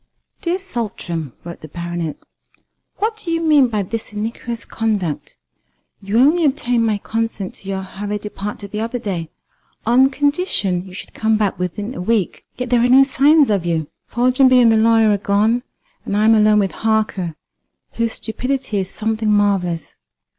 "DEAR SALTRAM" (wrote the Baronet), "What do you mean by this iniquitous conduct? You only obtained my consent to your hurried departure the other day on condition you should come back in a week, yet there are no signs of you. Foljambe and the lawyer are gone, and I am alone with Harker, whose stupidity is something marvellous.